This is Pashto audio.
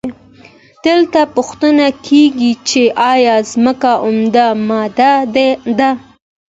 دلته پوښتنه کیږي چې ایا ځمکه اومه ماده ده؟